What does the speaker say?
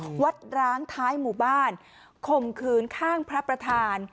วัดร้างท้ายหมู่บ้านข่มขืนข้างพระประธาน